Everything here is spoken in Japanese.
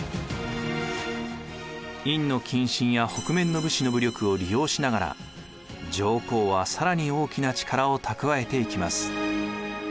院近臣や北面の武士の武力を利用しながら上皇は更に大きな力を蓄えていきます。